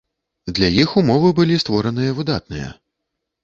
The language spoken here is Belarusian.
Для іх умовы былі створаныя выдатныя.